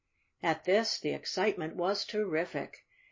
At this the excitement was terrific.